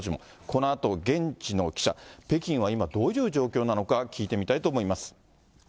このあと、現地の記者、北京は今、どういう状況なのか、聞いてみたいと思います。